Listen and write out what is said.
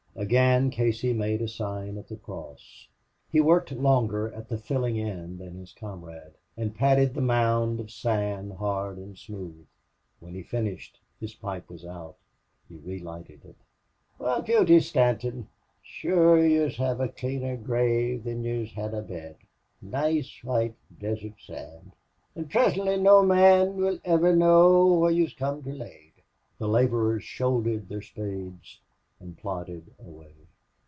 Again Casey made a sign of the cross. He worked longer at the filling in than his comrade, and patted the mound of sand hard and smooth. When he finished, his pipe was out. He relighted it. "Wal, Beauty Stanton, shure yez hev a cleaner grave than yez hed a bed.... Nice white desert sand.... An' prisintly no man will ivir know where yez come to lay." The laborers shouldered their spades and plodded away.